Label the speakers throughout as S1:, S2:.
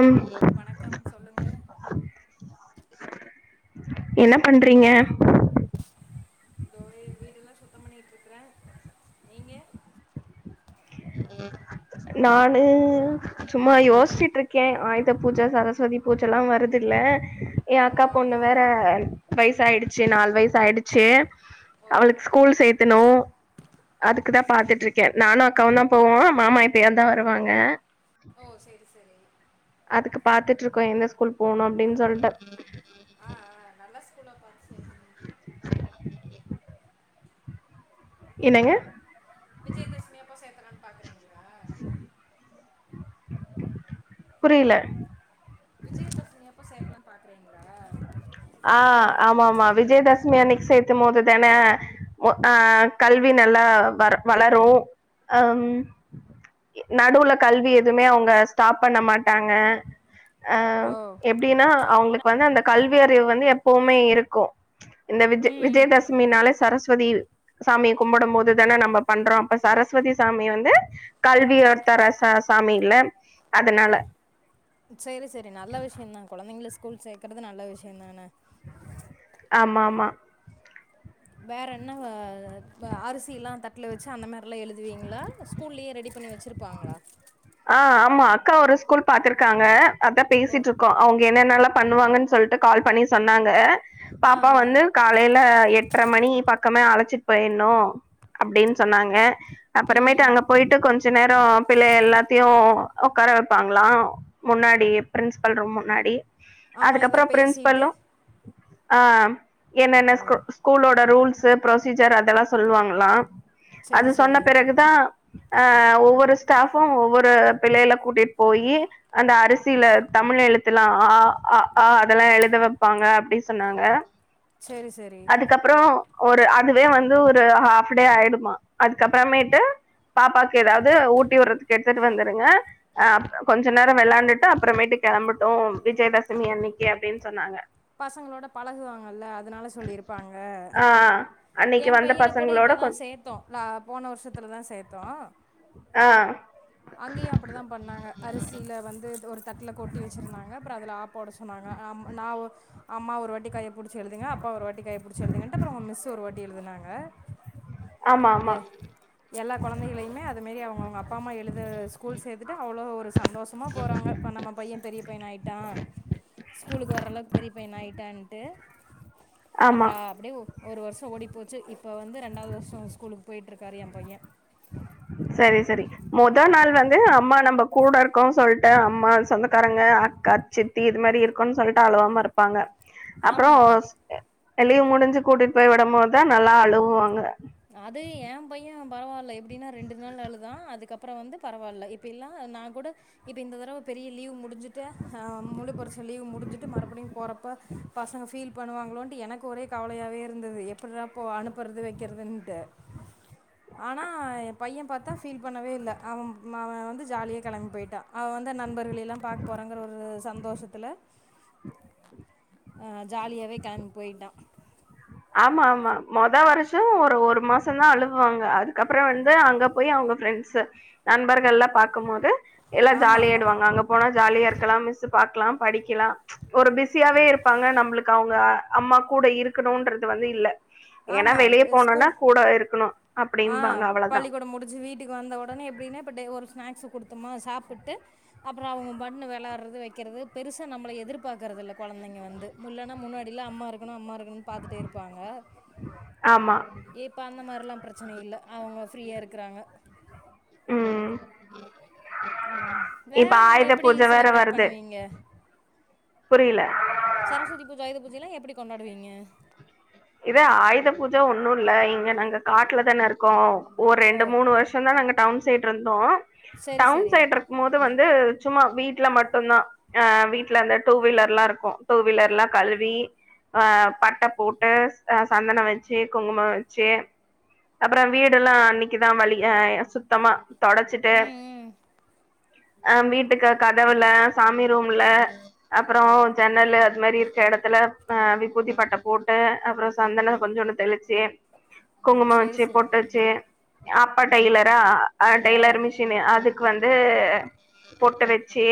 S1: ம்
S2: வணக்கம் சொல்லுங்க
S1: என்ன பண்றீங்க [inaudible]
S2: வீட்டெல்லா சுத்த பண்ணிட்டு இருக்கறே நீங்க
S1: ம் நானு சும்மா யோசிச்சுட்ருக்கே ஆயுத பூஜை சரஸ்வதி பூஜல்லா வருது இல்ல ஏ அக்கா
S2: ஆமா
S1: பொண்ணு வேற வயசாயிடுச்சு நாலு வயசு ஆயிடுச் ச்சு
S2: ஓ
S1: அவளுக்கு ஸ்கூல் சேத்தனு அதுக்கு தா
S2: சரி
S1: பாத்துட்டுருக்கே நானு அக்காவுந்தா போவோ மாமா எப்பயாந்தா வருவாங்க
S2: ஓ சரி சரி
S1: அதுக்கு பாத்துட்ருக்கோ எந்த ஸ்கூல் போணு அப்டின்னு சொல்ட்டு
S2: ஆ ஆ நல்ல ஸ்கூல்லா பாத்து [unintelligible]
S1: என்னங்க
S2: விஜயதசமியப்ப சேக்கலான்னு பாக்குறீங்களா
S1: [inaudible] புரியல
S2: விஜயதசமியப்ப சேக்கலாம்னு பாக்குறீங்களா
S1: ஆ ஆம்மா ஆம்மா விஜயதசமி அன்னைக்கு சேத்து மோது தான மு ஆ கல்வி நல்லா வள வளரும் அம் நடுல கல்வி எதுமே அவங்க ஸ்டாப் பண்ண மாட்டாங்க அ
S2: ஓ
S1: எப்டின்னா அவங்களுக்கு வந்து அந்த கல்வி அறிவு வந்து எப்போமே இருக்கு இந்த விஜய் விஜயதசமி நால சரஸ் வதி சாமிக்கும்புடும் போது தான நம்ம பண்றோ அப்ப சரஸ்வதி சாமி வந்து கல்வி தர சா சாமில அதனால
S2: சேரி சேரி நல்ல விஷயந்தா கொழந்தைங்கல ஸ்கூல் சேக்றது நல்ல விஷயந்தான
S1: ஆமா ஆமா
S2: வேற என்னக ஆ அரிசில்லா தட்டுல வச்சு அந்த மாரில்லா எழுதுவீங்களா ஸ்கூல்லயே ரெடி பண் ன்னே வச்சிருப்பாங்களா
S1: ஆ ஆமா அக்கா ஒரு ஸ்கூல் பாத்ருக்காங்க அதா
S2: ஓ
S1: பேசிட்டுருக்கோம் அவுங் என்னன்னால்லா பண்ணுவாங்கன்னு சொல்ட்டு கால் பண்ணி சொன்னாங்க
S2: ஆ
S1: பாப்பா
S2: ஆ
S1: வந்து காலைல அ எட்ர மணி பக்கமே அழைச்சிட்டு போயிணு அப்டின் சொன்னாங்க அப்பறமேட்டு
S2: ம்
S1: அங்க போயிட்டு கொஞ்ச நேறோ பிள்ளை எல்லாத் தையு உக்கார வைப்பாங்களா முன்னாடி பிரின்ஸி்பல் ரூம் முன்னாடி
S2: ஆமாம்
S1: அதுக்கப்புற
S2: ஏதாவது பேசிட்டு
S1: பிரின்சபல்லு ஆம் என்னென்ன
S2: ஓ
S1: ஸ்கூல் ஸ்கூல்லோட ரூல்ஸ்சு ப்ரொசீஜர் அதெல்லா சொல்வாங்களா அது
S2: சரி
S1: சொன்ன
S2: சரி
S1: பிறகுதா அ ஒவ்வொரு ஸ்டாபு ஒவ்வொரு நா பிள்ளையெல்லா கூட்டிட்டு போயீ அந்த அரிசியில்ல தமிழ் எழுத்துல்லா ஆ அ ஆ அதெல்லா எழுத வேப்பாங்க அப்டி சொன்னாங்க
S2: சரி சரி
S1: அதுக்கப்புறோ ஒரு அதுவே வந்து ஒரு ஹாஃப் டே ஆயிடுமா அதுக்கப்புறமேட்டு பாப்பாக்கு ஏதாவது ஊட்டி விடுறதுக்கு எ விட்டுடு வந்துருங்க ஆ கொஞ்சோ நேரம் வேலாண்டுட்டு அப்புறமேட்டு கிளம்பட்டு விஜயதசமி அன்னைக்கி அப்படின்னு சொன்னாங்க
S2: பசங்களோட பழகுவாங்கல்ல அதனால சொல்லியிருப்பாங்க
S1: ஆ
S2: எ
S1: அன்னைக்கு வந்த
S2: பையன கூட
S1: பசங்களோட
S2: இப்பதா
S1: கொஞ்
S2: சேத்தோ லா போன வருஷத்துலதா சேத்தோம்
S1: ஆ
S2: அங்கேயு அப்படித்தான் பண்ணாங்க அரிசில வந்து ஒரு தட்டுல கொட்டி வச்சிருந்தாங்க அப்ரோ அதுல ஆ போட சொன்னாங்க ஆ ஆமா நா ஒ அம்மா ஒரு வாட்டி கை பிடிச்சி எழுதுங்க அப்பா ஒரு வாட்டி கை பிடிச்சி எழுதுங்கன்ட்டு அப்ரோ அவங்க மிஸ் ஒரு வாட்டி எழுதுனாங்க
S1: ஆமா ஆமா
S2: ஏ எல்லா குழந்தைகளையுமே அது மாரி அவங்கவுங்க அப்பா அம்மா எழுத த ஸ்கூல் சேத்துட்டு அவ்வளவு ஒரு சந்தோஷமா போறாங்க இப்ப நம்ம பையன் பெரிய பையன் ஆயிட்டா ஸ்கூலுக்கு வரளவுக்கு பெரிய பையன் னா ஆயிட்டான்ட்டு
S1: ஆமா
S2: அப்ற அப்படியே ஒரு வர்ஷோ ஓடி போச்சு இப்போ வந்து ரெண்டாவது வர்ஷோம் ஸ்கூலுக்கு போயிட்டுருக்காரு என் பைய
S1: சரி சரி மொத நாள் வந்து அம்மா நம்ப கூட இருக்கோனு சொல்ட்டு அம்மா சொந்தக்காரங்க கா சித்தி இது மாரி இருக்கோன் சொல்லிட்டு அழுவாம இருப்பாங்க
S2: ஆமாம் ஆமாம்
S1: அப்ரோஸ் லீவு முடிஞ்சு கூட்டிட்டு போய் விடும்போதுதான் நல்லா அழுகுவாங்க
S2: அது என் பைய பரவால்ல எப்படின்னா ரெண்டு நாள் அழுதா அதுக்கப்ரோ வந்து பரவால்ல இப்பல்லாம் நா கூட இது இந்த தடவ பெரிய லீவ் முடிஞ்சுட்டு ஹா முழு பரிச்ச லீவ் முடிஞ்சிட்டு மறுபடியு போறப் போ பசங்க ஃபீல் பண்ணுவாங்களோன்டு எனக்கு ஒரே கவலையாவே இருந்துது எப்பிறா இப்போ அனுப்புறது வை க்கிறதுன்டு ஆனா எ பைய பாத்தா ஃபீல் பண்ணவே இல்ல அவ அவ வந்து ஜாலியா கெளம்பி போய்ட்டா அவ வந்த நண்பர்கள் எல்லா பாக்க போறங்குற ஒரு சந்தோஷத்துல
S1: [inaudible]
S2: அ ஜாலியாவே கெளம்பி போய்ட்டா
S1: ஆமா ஆமா மொத வருஷோ ஒரு ஒரு மாச தா அலுவாங்க அதுக்கப்புறோ வந்து அங்க போய் அவங்க ஃபிரெண்ட்ஸ் ஸு நண்பர்கள் எல்லா பாக்கும்போது எல்லா
S2: ஆமாம் ஆமாம்
S1: ஜாலியாயிடுவாங்க அங்க போன ஜாலியா இருக்கலா மிஸ் பக்கலா படிக்கலா ஒரு பிஸியாவே இருப்பாங்க நம்மளுக்கு அவுங்க அம்மா கூ கூட இருக்கணும்ன்றது வந்து இல்ல ஏன்னா
S2: ஆமாம்
S1: வெளியே போனும்ன்னா
S2: ஸ்கூல்
S1: கூட இருக்கணும்
S2: ஆ பள்ளிக்கூட முடிச்சு வீட்டுக்கு வந்த ஒடனே எப்டின்னா இப்ப டே ஒரு ஸ்நாக்ஸ் ஸு குடுத்தோமா சாப்பிட்டு அப்புறோ அவங்க பாட்டுனு வெளையாடுறது வைக்கிறது பெருசா நம்பல எதிர்பாக்கறதுல்ல கொழந்தைங்க வந்து இல்லனா முன்னாடிலா அம்மா இருக்கணு அம்மா இருக் கனு பாத்துட்டே இருப்பாங்க
S1: ஆமா
S2: இப்ப அந்த மாரில்லா பிரச்சன இல்ல அவங்க ஃபிரீயா இருக்குறாங்க
S1: ம்
S2: ம் வேற
S1: இப்ப
S2: நீங்க
S1: ஆயுத
S2: எப்டி
S1: பூஜ வேற
S2: செலப்ரேட்
S1: வருது
S2: பண்ணுவீங்க
S1: புரில
S2: சரஸ்வதி பூஜ ஆயுத பூஜையெல்லா எப்டி கொண்டாடுவீங்க
S1: இதோ ஆயுத பூஜ ஒன்னு இல்ல இங்க நாங்க காட்ல தான இருக்கோ ஒரு
S2: ஓ
S1: ரெண்டு மூணு வருஷோ தா நாங்க டவுன் சைட் இருந்தோ
S2: சரி
S1: டவுன்
S2: சரி
S1: சைட் இருக்கும் போது வந்து சும்மா வீட்டுல மட்டுதா அ வீட்டுல அந்த டூ வீலர்லா இருக்கு டூ வீலர்லா கழுவி அ பட்ட போட்டு அ சந்தன வெச்சு குங்குமம் வெச்சு அப்புறோ வீடுலா அன்னைக்குதா வலி அ சுத்தமா தொடச்சிட்டு
S2: ம் ம்
S1: அ வீட்டுக்கு கதவுல சாமி ரூம்ல அப்புறோ ஜென்னல் அது மாரி எடத்துல அ விபூதிப்பட்ட போட் டு அப்புறோ சந்தன கொஞ்சோன்டு தெளிச்சு குங்கும
S2: சரி
S1: வெச்சு
S2: சரி
S1: பொட்டு வெச்சு அப்பா டைலரா ஆ
S2: ஓ
S1: டைலர் மிஷின்னு அதுக் கு வந்து பொட்டு வெச்சு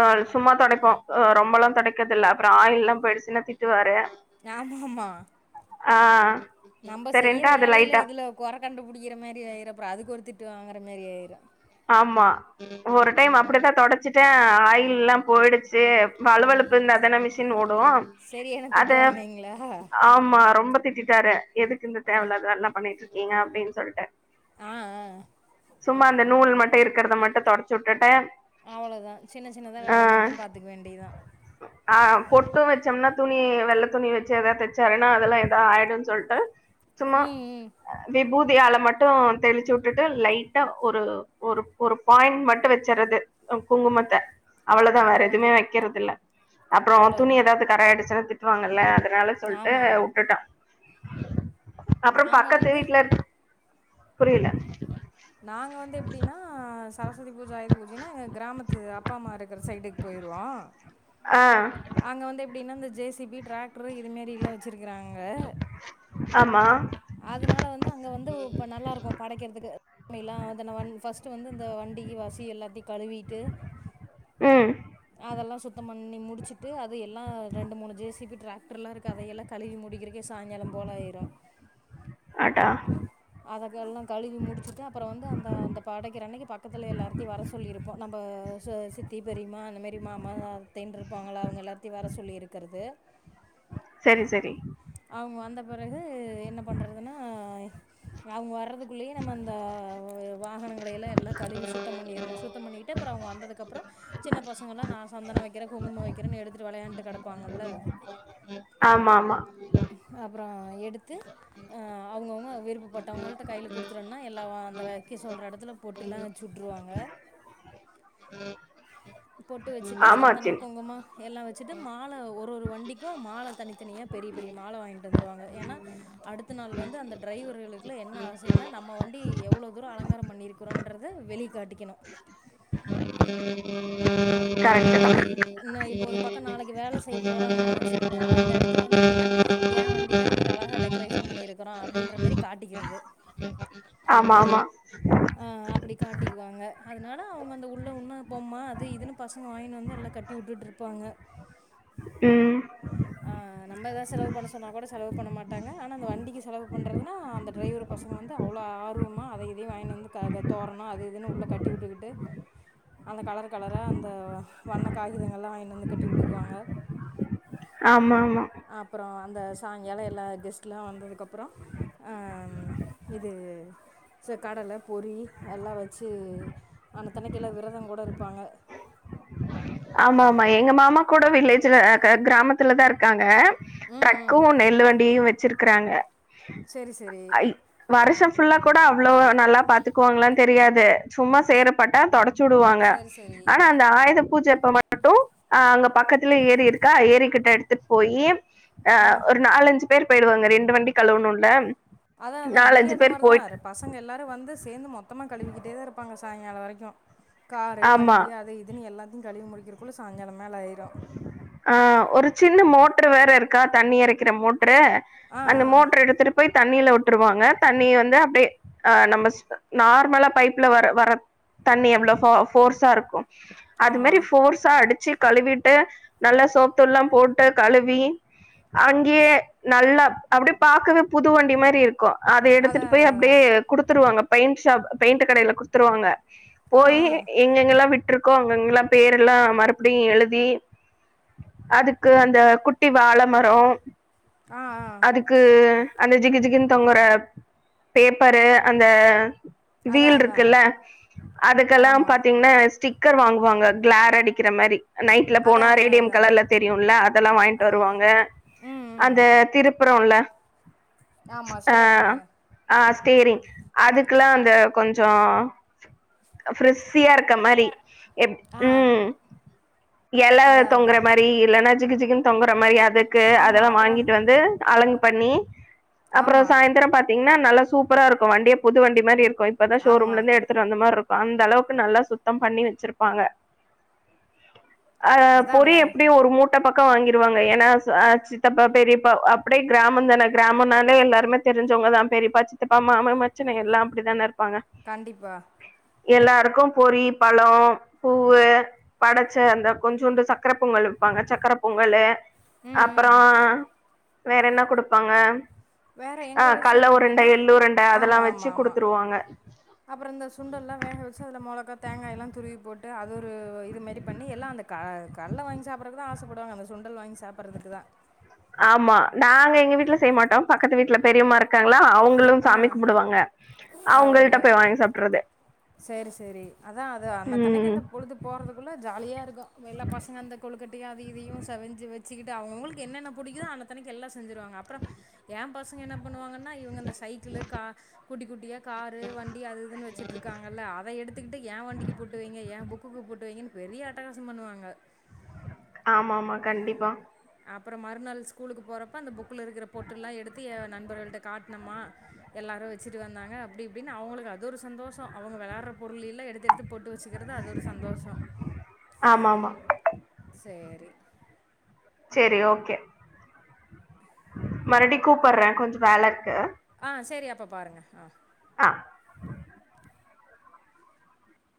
S1: அ சும்மா துடைப்போ ரொம்பல்லா தொடைக்கறதுல்ல அப்புறோ ஆயில்லா போய்டுச்சுன்னா திட்டுவாரு
S2: ஆமா ஆமா
S1: ஆ
S2: நம்ப செய்யற
S1: சரின்ட்டு அது
S2: வேலையில
S1: லைட்டா
S2: இதுல கொற கண்டுபிடிக்கிற மேரி ஆயிறு அப்பறோ அதுக்கு ஒரு தி ட்டு வாங்கற மாரி ஆயிடு
S1: ஆமா ஒரு டைம் அப்டிதா தொடச்சிட்டே ஆயில்லா போயிடுச்சு வலுவலுப்பு இருந்தா தானே மிஷின் ஓடு
S2: சரியான
S1: அத
S2: திட்டு வாங்குனீங்களா
S1: ஆமா ரொம்ப திட்டிட்டாரு எதுக்கு இந்த தேவ இல்லாத வேலலா பண்ணிட்டு இருக்கீங்க அப்டின்னு சொல்ட்டு
S2: ஆ ஆ
S1: சும்மா அந்த நூல் மட்டு இருக்கறத மட்டு தொடச்சு வுட்டுட்டு
S2: அ சின்ன சின்னதா வேலைய
S1: ஆ
S2: மட்டு பாத்துக்க வேண்டியதா
S1: ஆ பொட்டு வச்சோம்னா துணி வெள்ள துணி வெச்சு ஏதாவ்து தெச்சாருன்னா அதெல்லா எதா ஆயிடுன் சொல்ட்டு சும்மா
S2: ம் ம்
S1: விபூதியால மட்டு தெளிச்சு வுட்டுட்டு லைட்டா ஒரு ஒரு ஒரு பாயிண் மட்டு வெச்சுறது குங்குமத்த அவ்ளோதா வேற
S2: பரவால்ல
S1: எதுவுமே வைக்கறது இல்ல அப்புறோ துணி
S2: அவ்ளோதா
S1: ஏதாது கரயாயிடுச்சுன்னா திட்டுவாங்கல்ல அதனால சொல்ட்டு
S2: ஆமா ஆமா
S1: வுட்டுட்ட அப்புறோ
S2: நாங்க
S1: பக்கத்து
S2: வந்து
S1: வீட்ல புரியில
S2: நாங்க வந்து எப்டினா சரஸ்வதி பூஜ ஆயுத பூஜைனா எங்க கிராமத்து அப்பாம்மா இருக்கிற சைடுக்கு போய்ருவோ ஆ
S1: ஆ
S2: அங்க வந்து எப்டினா இந்த ஜே சி பி ட்ராக் ட்ரு இதுமேரிலா வச்சிருக்றாங்க
S1: ஆமா
S2: அதுனால வந்து அங்க வந்து இப்ப நல்லா இருக்கு படைக்கற்துக்கு அப்டிலா அதுல வந் ஃபஸ்ட்டு வந் து இந்த வண்டிக்கு வசி எல்லாத்தையு கழுவிட்டு
S1: ம்
S2: அதெல்லா சுத் தம்பண்ணி முடிச்சுட்டு அது எல்லா ரெண்டு மூணு ஜே சி பி ட்ராக்ட்ருலா இருக்கு அதையெல்லா கழுவி முடிக்கிறக்கே சாய்ங்காலம் போலாயிரு
S1: அடா
S2: அதுக்கெல்லா கழுவி முடிச்சுட்டு அப்பற வந்து அந்த அந்த படைக்கிற அன்னைக்கு பக்கத்துல எல்லார்த்தையு வர சொல்லிருப்போ நம்ப சோ சித்தி பெரிய்ம்மா அந்த மாரி மாமா அத்தைன்ருப்பாங்கள அவ்ங்க எல்லார்த்தையு வர சொல்லி இருக்கிறது
S1: செரி செரி
S2: அவ்ங்க வந்த பிறகு என்ன பண்றதுனா அவ்ங்க வர்றதுக் குள்ளே நம்ம அந்த வாகனங்களையெல்லா எல்லா கழுவி சுத்த பண்ணிற்ணு சுத்த பண்ணிட்டு அப்ற அவ்ங்க வந்ததுக்கப் சின்ன பசங்கலா நா சந்தன வக்கிறே குங்குமம் வக்கிறேன் எடுத்துட்டு வெளையாண்ட்டு கெடப்பாங்கல்ல
S1: ஆமா ஆமா
S2: அப்றோ எடுத்து அ அவ்ங்கவ்ங்க விருப்பப்பட்டவ்ங்களுக் கைல குடுத்றனுனா எல்லா வாம் நா வெக்க சொல்ற எடத்துல பொட்டுலா வெச்சு விட்ருவாங்க பொட்டு வெச்சிட்டு
S1: ஆமா
S2: சந்தன
S1: சின்
S2: குங்கும எல்லா வச் சுட்டு மால ஒரு ஒரு வண்டிக்கு மால தனித்தனியா பெரிய பெரிய மால வாங்கிட்டு வந்துருவாங்க ஏனா அடுத்த நாள் வந்து அந்த டிரைவர்களுக்குலா என்ன ஆசைனா நம்ம வண்டி எவ்ளோ தூர அலங்கார பண்ணிருக்குறோன்றத வெளிக் காட்டிக்கணு
S1: ம்
S2: நாளைக்கு நான் இப்போ ஒரு பக்கம் நாளைக்கு வேலை செய்ய
S1: [inaudible]
S2: எ வண்டிதா இன்னைக்கு அழகா டெக்கரேஷன் பண்ணிருக்குறோ அப்டின்ற மாரி காட்டிக்கிறது
S1: ஆமா ஆமா
S2: ஆ அப்டி காட்டிக்குவாங்க அதுனால அவ்ங்க அந்த உள்ள உன்னு பொம்மா அது இதுனு பசங்க வாய்ன்னு வந்து எல்லா கட்டிவுட்டுட்டு இருப்பாங்க
S1: ம்
S2: ஆ நம்ம எதா செலவு பண்ண சொன்னா கூட செலவு பண்ண மாட்டாங்க ஆனா அந்த வண்டிக்கு செலவு பண்றதுனா அந்த டிரைவரு பா பசங்க வந்து அவ்ளோ ஆர்வமா அத இதையு வாய்ன்னு வந்து கா க தோரண அது இதுன்னு உள்ள கட்டிவுட்டுகிட்டு அந்த கலரு கலரா அந்த வண்ணக் காகிதங்கள்லா வாய்ன்னு வந்து கட்டிவுட்டுக்குவாங்க
S1: [unintelligible] ஆமா
S2: அப்றோ அந்த சாய்ங்கால எல்லா கெஸ்ட்லா வந்ததுக்கப்றோ அம் இது சோ கடல பொறி எல்லா வச்சு ஆனத்தனைக்கு எல்லா விரதங்கூட இருப்பாங்க
S1: ஆமா ஆமா எங்க மாமா கூட வில்லேஜ்ல அ க கிராமத்துலதா இருக்காங்க
S2: ம் ம்
S1: ட்ரக்கு நெல்லு வண்டியையு வெச்சிருக்குறாங்க
S2: செரி செரி
S1: ஃபுல்லா கூட அவ்ளோ நல்லா பாத்துக்குவாங்களான் தெரியாது சும்மா சேருப்பட்டா தொடச் சுடுவாங்க
S2: சரி சரி
S1: ஆனா அந்த ஆயுத பூஜ க்கு மட்டு ஆ அங்க பக்கத்துலே ஏரி இருக்கா ஏரிக்கிட்ட எடுத்துட் போயி அ
S2: ஆ
S1: ஒரு நாலஞ்சு பேரு போயிடுவாங்க ரெண்டு வண்டி கழுவணுல்ல
S2: அதா அதா இங்கேயு
S1: நாலஞ்சு
S2: அது
S1: பேர்
S2: மாரிதா
S1: போயிட்டு
S2: ரெ பசங்க எல்லாரு வந்துஸ் சேந்து மொத்தமா கழுவிக்கிட்டே தா இருப்பாங்க சாய்ங்கால வரைக்கு காரு
S1: ஆமா
S2: வண்டி அது இதுன்னு எல்லா கழுவி முடிக்கிறக்குல்ல சாய்ங்காலம்
S1: ஆ ஒரு சின்ன மோட்ரு வேற இருக்கா தண்ணி எரைக்கிற மோட் ட்ரு
S2: ஆ
S1: அந்த
S2: ஆ
S1: மோட்ரு எடுத்துட்டு போய் தண்ணில விட் விடுவாங்க தண்ணி வந்து அப்டியே அ நம்ம நார்மலா பைப்ல வர வர தண்ணி எவ்வளோ ஃபோ ஃபோர்ஸா இருக்கு அது மாரி
S2: ஆமாம்
S1: ஃபோர்ஸா அடுச்சு கழுவிட் ட்டு நல்லா சோப்புத்தூல்லாம் போட்டு கழுவி அங்கயே நல்லா அப்டியே பாக்கவே புது வண்டி மாரி இருக்கு அத எடுத்துட்டு
S2: அதான்
S1: போய்
S2: அதான்
S1: அப்டியே
S2: அதான்
S1: குடுத்துருவாங்க பெயிண்ட்ஷாப் பெயிண்ட் கடேல குடுத்துருவாங்க
S2: ஆ
S1: போயி
S2: ஆ
S1: எங்கெங்கெல்லா விட் விட்ருக்கோ அங்கங்கெல்லா பேர் எல்லா மறுபடியு எழுதி அதுக்கு அந்த குட்டி வாழ மரோ
S2: ஆ ஆ
S1: அதுக்கு அந்த ஜிகி ஜிகின்னு தொங்குற பேப்பரு அந்த
S2: அதான்
S1: வீல்
S2: அதான்
S1: இருக்குல்ல அதுக்கெல்லா
S2: ஆமாம்
S1: பாத்தீங்கன்னா ஸ்டிக் க்கர் வாங்குவாங்க கிளார் அடிக்கிற மாரி நை ட்ல போனா
S2: அதான் அதான்
S1: ரேடியம்
S2: அதான்
S1: கலர்ல தெரியுல்ல அதல்லா வாங்கிட்டு
S2: ஆமாம்
S1: வருவாங்க
S2: ம் ம்
S1: அந்த திரு ப்புறோல
S2: ஆமாம்
S1: ஆ
S2: ஸ்டேரிங்கு
S1: ஆ ஸ்டேரிங் அதுக்கல்லா அந்த கொஞ்சோ ப்ரிஸ் சியா இருக்க மாரி எப்
S2: ஆ
S1: ம் எல
S2: அதான்
S1: தொங்குற
S2: அதான்
S1: மாரி இல்லன்னா ஜிகு ஜிகுன்னு தொங்குற மாரி அதுக்கு அதல்லா
S2: ஆமாம் அப்புறம்
S1: வாங்கிட்டு வந்து அலங்கு பண்ணி அப்பறோ
S2: ஆமாம்
S1: சாய்ந்தரோ பாத்தீங்கன்னா நல்லா சூப்பரா இருக்கு வண்டியே புது வண்டி மாரி இருக் கு இப்பதா ஷோரூம்ல
S2: ஆமாம்
S1: இருந்து எடுத்துட்டு வந்த மாரி இருக் கு அந்த அளவுக்கு நல்லா சுத்தம் பண்ணி வச்சுருப்பாங்க அ
S2: அதான்
S1: பொறி
S2: அந்த
S1: எப்டியு ஒரு மூட் ட பக்கோ வாங்கிருவாங்க ஏன்னா அ சித்தப்பா பெரியப்பா அப்டியே கிராம தான கிராமனாலே எல்லாருமே தெரி தெரிஞ்சவங்க தா பெரிப்பா சித்தப்பா மாமே மச்சினே எல்லா அப்டிதான
S2: கண்டிப்பா
S1: எல்லாருக்கு பொரி பழோ பூவு படச்ச அந்த கொஞ்சூண்டு சக்கர பொங்கல் வப்பாங்க சக்கர பொங்கலு
S2: ம் ம்
S1: அப்பறோ வேற என்ன குடுப்பாங்க
S2: வேற
S1: ஆ
S2: எங்க ஊர்
S1: கல்ல
S2: சைடு
S1: உருண்ட
S2: எப்டின்னா
S1: எள்ளுருண்ட அதல்லா வச்சு குடுத்துருவாங்க
S2: அப்பறோ இந்த சுண்டெல்லா வேக வச்சு அதுல மொளகா தேங்காயல்லா துருவி போட்டு அது ஒரு இது மாரி பண்ணி எல்லா அந்த க கடல வாங்கி சாப்பற்றதுக்குதா ஆசப்படுவாங்க அந்த சுண்டல் வாங்கி சாப்பற்றதுக்கு தா
S1: ஆமா நாங்க எங்க வீட்ல செய்ய மாட்டோ பக்கத்து வீட்ல பெரியம்மா இருக் காங்களா அவுங்களு
S2: ஆ
S1: சாமி கும்புடுவாங்க அவுங்கள்ட்ட போய் வாங்கி சாப்ட்டற்றது
S2: சேரி சேரி அதா அது அன்னத்தன்னைக்கு
S1: ம்
S2: அந்த பொழுது போறதுக்குள்ள ஜாலியா இருக்கு எல்லா பசங்க அந்த கொழு கட்டயு அதையு இதையு செவஞ்சு வச் வச்சுகிட்டு அவுங்கவுங்களுக்கு என்னன்ன புடிக்குதோ அன்னதன்னைக்கு எல்லா செஞ்சுருவாங்க அப்பறோ ஏ பசங்க என்ன பண்ணுவாங்கன்னா இவுங்க அந்த சைக்கிளு கா குட்டி குட்டியா காரு வண்டி அது இதுன்னு வச்சிட் இருக்காங்கல்ல அத எடுத்துக்கிட்டு ஏ வண்டிக்கு பொட்டு வைங்க ஏ புக் புக்குக்கு பொட்டுவைங்கன்னு பெரிய அட்டகாசம் பண்ணுவாங்க
S1: ஆமா ஆமா கண்டிப்பா
S2: அப்பறோ மறுநாள் ஸ்கூலுக்கு போறப்ப அந்த புக்குல இருக்குற பொட்டல்லா எடுத்து எ நண்பர்கள்ட்ட காட்னமா எல்லா எல்லாரு வச்சுட்டு வந்தாங்க அப்டி இப்டின்னு அவுங்களுக்கு அது ஒரு சந்தோஷோ அவுங்க விளாட்ற பொருள எல்லா எடுத்து எடுத்து பொட்டு வச்சுக்கறது அது ஒரு சந்தோஷோ
S1: ஆமா ஆமா
S2: சேரி
S1: சேரி ஓகே மறுபடியு கூப்பற்றே கொஞ்சோ வேல இருக்கு
S2: ஆ சரி அப்ப பாருங்க ஆ
S1: ஆ